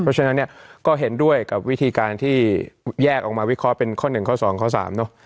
เพราะฉะนั้นเนี่ยก็เห็นด้วยกับวิธีการที่แยกออกมาวิเคราะห์เป็นข้อ๑ข้อ๒ข้อ๓เนอะ